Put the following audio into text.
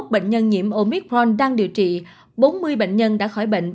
năm mươi một bệnh nhân nhiễm omicron đang điều trị bốn mươi bệnh nhân đã khỏi bệnh viện